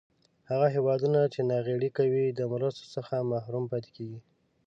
هغه هېوادونه چې ناغیړي کوي د مرستو څخه محروم پاتې کیږي.